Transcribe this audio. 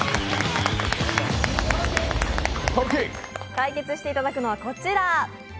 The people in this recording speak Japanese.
対決していただくのは、こちら。